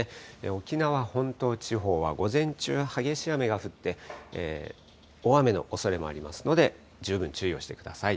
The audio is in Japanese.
沖縄本島地方は午前中、激しい雨が降って、大雨のおそれもありますので、十分注意をしてください。